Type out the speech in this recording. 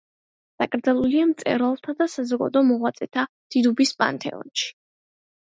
დაკრძალულია მწერალთა და საზოგადო მოღვაწეთა დიდუბის პანთეონში.